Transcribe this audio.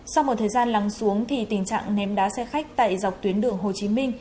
sau một thời gian lắng xuống thì tình trạng ném đá xe khách tại dọc tuyến đường hồ chí minh